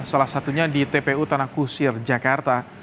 salah satunya di tpu tanah kusir jakarta